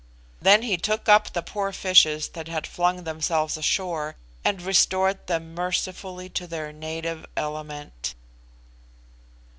Then he took up the poor fishes that had flung themselves ashore, and restored them mercifully to their native element.